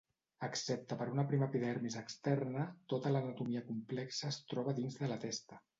Excepte per una prima epidermis externa, tota l'anatomia complexa es troba dins de la testa.